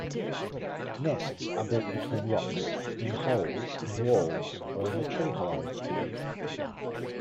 Nests are built between rocks, in holes in walls or in a tree hollow.